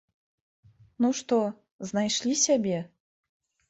Ну што, знайшлі сябе?